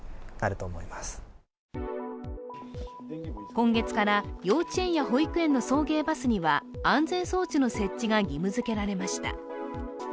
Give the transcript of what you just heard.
今月から幼稚園や保育園の送迎バスには安全装置の設置が義務づけられました。